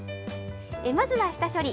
まずは下処理。